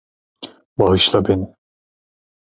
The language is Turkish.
Bağışla beni.